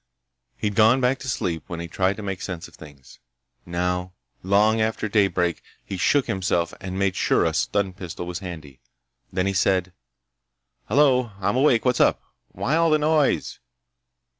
He'd gone back to sleep while he tried to make sense of things. Now, long after daybreak, he shook himself and made sure a stun pistol was handy. Then he said: "Hello. I'm awake. What's up? Why all the noise?"